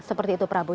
seperti itu prabu